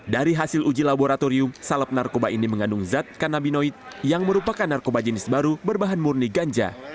dari hasil uji laboratorium salep narkoba ini mengandung zat kanabinoid yang merupakan narkoba jenis baru berbahan murni ganja